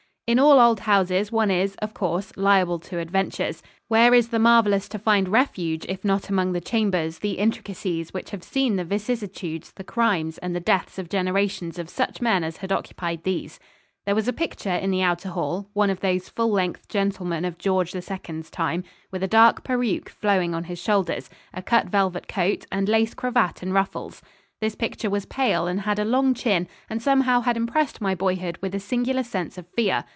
In all old houses one is, of course, liable to adventures. Where is the marvellous to find refuge, if not among the chambers, the intricacies, which have seen the vicissitudes, the crimes, and the deaths of generations of such men as had occupied these? There was a picture in the outer hall one of those full length gentlemen of George II.'s time, with a dark peruke flowing on his shoulders, a cut velvet coat, and lace cravat and ruffles. This picture was pale, and had a long chin, and somehow had impressed my boyhood with a singular sense of fear.